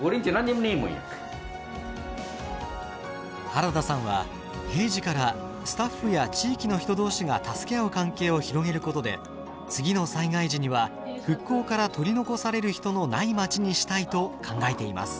原田さんは平時からスタッフや地域の人同士が助け合う関係を広げることで次の災害時には復興から取り残される人のない町にしたいと考えています。